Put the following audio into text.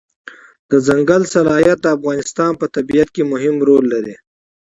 دځنګل حاصلات د افغانستان په طبیعت کې مهم رول لري.